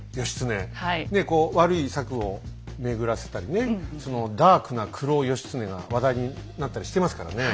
ねえこう悪い策を巡らせたりねそのダークな黒義経が話題になったりしてますからね。